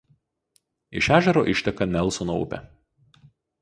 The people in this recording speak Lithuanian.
Iš ežero išteka Nelsono upė.